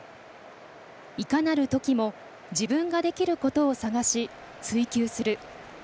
いかなるときも自分ができることを探し追求する。